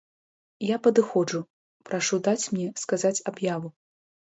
Я падыходжу, прашу даць мне сказаць аб'яву.